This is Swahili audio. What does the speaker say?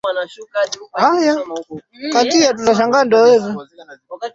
alieanza muhula wake wa miaka mitano